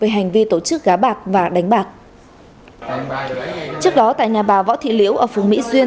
về hành vi tổ chức gá bạc và đánh bạc trước đó tại nhà bà võ thị liễu ở phú mỹ duyên